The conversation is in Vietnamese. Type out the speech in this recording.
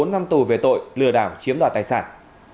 một mươi bốn năm tù về tội lừa đảo chiếm đoạt tài sản